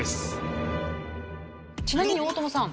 ちなみに大友さん。